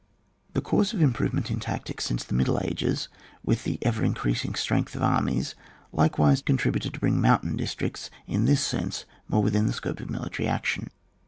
The course of improvement in tactics since the Middle Ages, with the ever in creasing strength of armies, likewise contributed to bring mountainous districts in this sense more within the scope of military action.